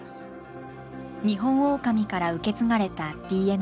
ニホンオオカミから受け継がれたＤＮＡ。